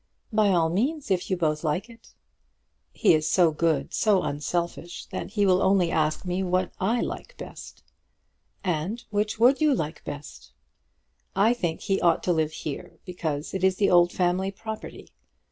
"By all means, if you both like it." "He is so good, so unselfish, that he will only ask me to do what I like best." "And which would you like best?" "I think he ought to live here because it is the old family property.